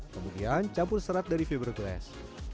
kemudian campur serat dari fiberglass